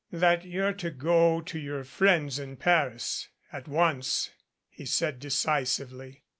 "That you're to go to your friends in Paris at once," he said decisively.